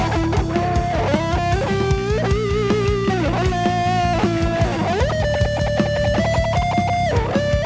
กีต้าร็อกเกอร์